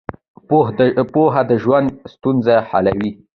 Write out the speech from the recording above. پوهه د ژوند ستونزې حلوي.